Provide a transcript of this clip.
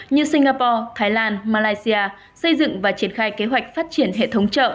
như singapore thái lan malaysia xây dựng và triển khai kế hoạch phát triển hệ thống chợ